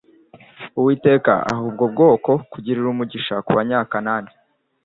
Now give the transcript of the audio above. uwiteka aha ubwo bwoko kugirira umugisha kuba nya kanani